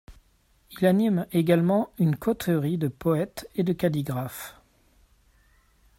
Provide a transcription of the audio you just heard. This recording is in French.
Il anime également une coterie de poètes et de caligraphes.